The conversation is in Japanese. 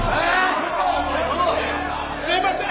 すいません！